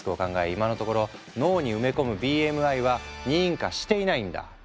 今のところ脳に埋め込むＢＭＩは認可していないんだ。